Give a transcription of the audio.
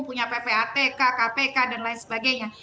punya ppatk kpk dan lain sebagainya